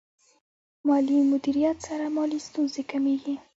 مالي مدیریت سره مالي ستونزې کمېږي.